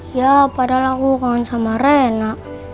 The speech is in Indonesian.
ya padahal aku kangen sama rena